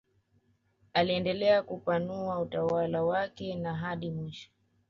Aliendelea kupanua utawala wake na hadi mwisho